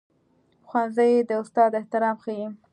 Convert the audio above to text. ښوونځی د استاد احترام ښيي